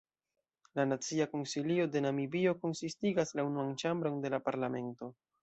La Nacia Konsilio de Namibio konsistigas la unuan ĉambron de la parlamento.